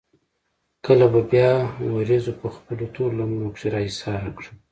کله به بيا وريځو پۀ خپلو تورو لمنو کښې را ايساره کړه ـ